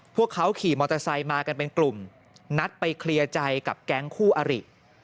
พวกเขาขี่มอเตอร์ไซค์มากันเป็นกลุ่มนัดไปเคลียร์ใจกับแก๊งคู่อริ